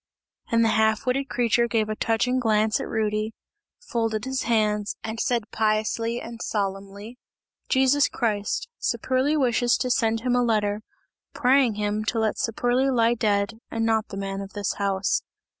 And the half witted creature gave a touching glance at Rudy, folded his hands and said piously and solemnly: "Jesus Christ! Saperli wishes to send him a letter, praying him to let Saperli lie dead and not the man of this house!"